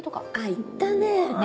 行ったね。ね。